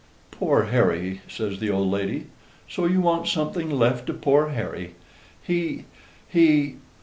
"Poor Harry!" says the old lady. "So you want something left to poor Harry: he, he!